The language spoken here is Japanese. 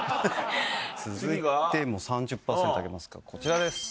続いても３０％開けますかこちらです。